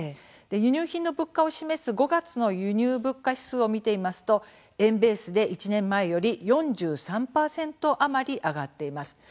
輸入品の物価を示す５月の輸入物価指数を見てみますと円ベースで、１年前より４３％余り、上がっています。